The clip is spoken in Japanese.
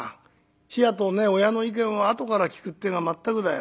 冷やと親の意見は後から効くっていうのは全くだよ。